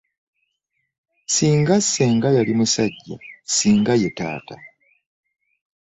Singa senga yali musajja singa ye taata.